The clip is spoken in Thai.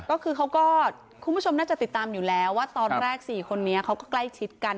ก็คือเขาก็คุณผู้ชมน่าจะติดตามอยู่แล้วว่าตอนแรก๔คนนี้เขาก็ใกล้ชิดกัน